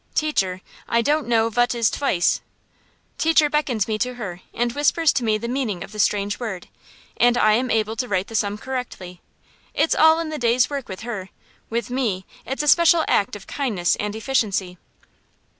"Teacher, I don't know vhat is tvice." Teacher beckons me to her, and whispers to me the meaning of the strange word, and I am able to write the sum correctly. It's all in the day's work with her; with me, it is a special act of kindness and efficiency.